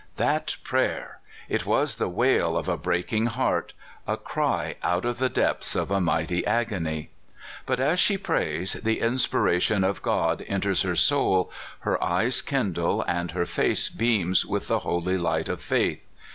That prayer ! It was the wail of a breaking heart, a cry out of the depths of a mighty agony. But as she prays the inspiration of God enters her soul, her eyes kindle, and her face beams with the holy light of faith.